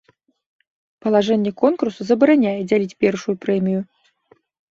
Палажэнне конкурсу забараняе дзяліць першую прэмію.